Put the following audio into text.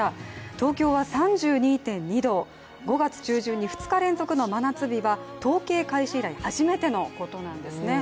東京は３２．２度、５月中旬に２日連続の真夏日は統計開始以来初めてのことなんですね。